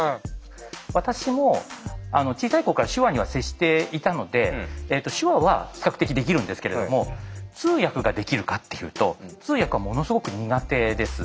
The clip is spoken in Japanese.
私も小さい頃から手話には接していたので手話は比較的できるんですけれども通訳ができるかっていうと通訳はものすごく苦手です。